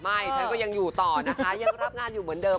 ฉันก็ยังอยู่ต่อนะคะยังรับงานอยู่เหมือนเดิม